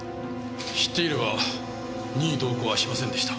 「知っていれば任意同行はしませんでした」